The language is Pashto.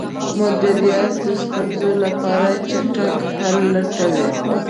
مدیریت د ستونزو لپاره چټک حل لټوي.